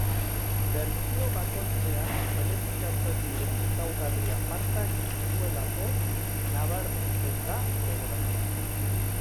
Bertsio bakoitzean errepikatzen diren ezaugarri apartak dituelako nabarmentzen da programa.